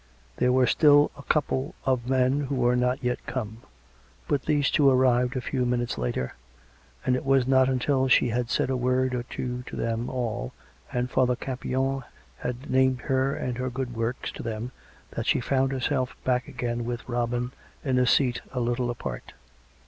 There were still a couple of men who were not yet come; but these two arrived a fev/ minutes later; and it was not until she had said a Avord or two to them all, and Father Campion had named her and her good works, to them, that she found herself back again with Robin in a seat a little apart.